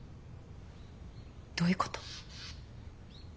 どういうこと？